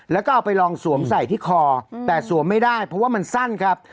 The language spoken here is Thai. แล้วก็เอาไปลองสวมใส่ที่คอแต่สวมไม่ได้เพราะว่ามันสั้นครับ